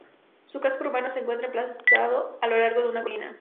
Su casco urbano se encuentra emplazado a lo largo de una colina.